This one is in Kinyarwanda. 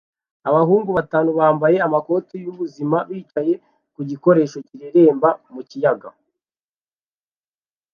Abahungu batanu bambaye amakoti y'ubuzima bicaye ku gikoresho kireremba mu kiyaga